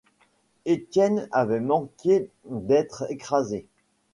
Étienne avait manqué d’être écrasé.